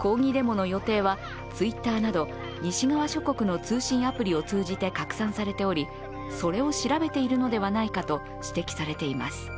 抗議デモの予定はＴｗｉｔｔｅｒなど西側諸国の通信アプリを通じて拡散されており、それを調べているのではないかと指摘されています。